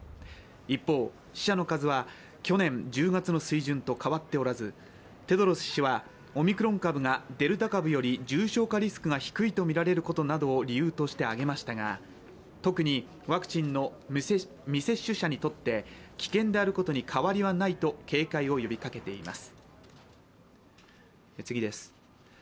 一方、死者の数は去年１０月の水準と変わっておらず、テドロス氏はオミクロン株がデルタ株より重症化リスクが低いとみられることなどを理由として挙げましたが、特にワクチンの未接種者にとって危険であることに変わりはないと警戒を呼びかけています。